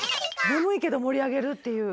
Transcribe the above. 眠いけど盛り上げるっていう。